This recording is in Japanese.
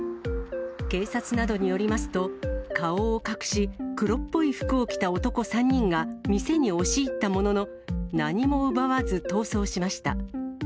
警察などによりますと、顔を隠し、黒っぽい服を着た男３人が店に押し入ったものの、何も奪わず逃走しました。